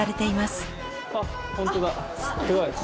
すごい。